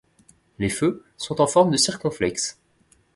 Les feux sont en forme de circonflexes.